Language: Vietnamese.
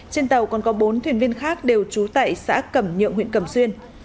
trên tàu còn có bốn thuyền viên khác đều trú tại xã cầm nhượng huyện cầm xuyên